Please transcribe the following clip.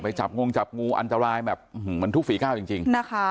ไปจับงงจับงูอันตรายแบบเหมือนทุกฝีข้าวจริง